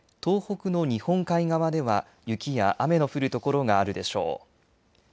東北の日本海側では雪や雨の降る所があるでしょう。